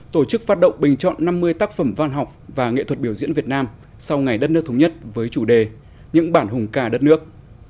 tổ chức phát động bình chọn năm mươi tác phẩm văn học và nghệ thuật biểu diễn việt nam sau ngày đất nước thống nhất với chủ đề những bản hùng ca đất nước